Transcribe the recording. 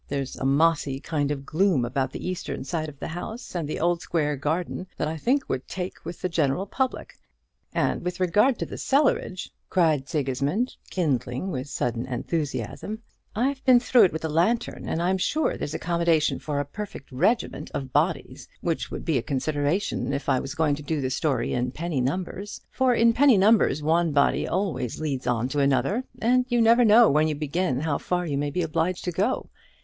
There's a mossy kind of gloom about the eastern side of the house and the old square garden, that I think would take with the general public; and with regard to the cellarage," cried Sigismund, kindling with sudden enthusiasm, "I've been through it with a lantern, and I'm sure there's accommodation for a perfect regiment of bodies, which would be a consideration if I was going to do the story in penny numbers; for in penny numbers one body always leads on to another, and you never know, when you begin, how far you may be obliged to go.